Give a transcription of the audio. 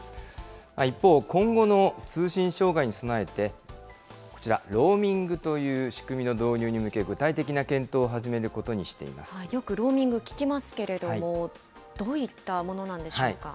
一方、今後の通信障害に備えて、こちら、ローミングという仕組みの導入に向け、具体的な検討を始めることよくローミング、聞きますけれども、どういったものなんでしょうか。